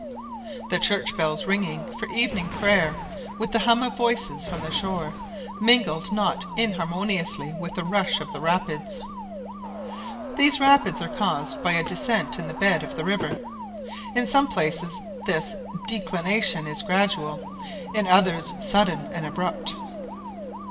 The church bells ringing for evening prayer, with the hum of voices from the shore, mingled not inharmoniously with the rush of the rapids. These rapids are caused by a descent in the bed of the river. In some places this declination is gradual, in others sudden and abrupt.